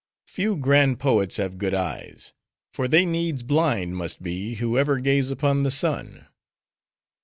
Few grand poets have good eyes; for they needs blind must be, who ever gaze upon the sun.